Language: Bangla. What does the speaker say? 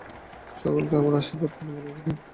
সকলকে আমার আশীর্বাদ, প্রণাম ও ভালবাসা দিও।